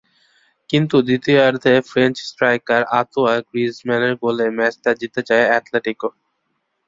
কিন্তু দ্বিতীয়ার্ধে French striker আঁতোয়া গ্রিজমানের গোলে ম্যাচটা জিতে যায় অ্যাটলেটিকো।